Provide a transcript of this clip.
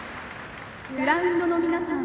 グラウンドの皆さん